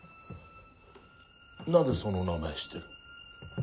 なぜその名前を知ってる？